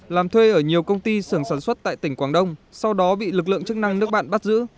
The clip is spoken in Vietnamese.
làm thuê ở nhiều công ty sưởng sản xuất tại tỉnh quảng đông sau đó bị lực lượng chức năng nước bạn bắt giữ